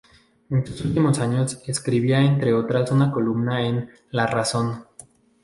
En sus últimos años, escribía entre otras una columna en "La Razón".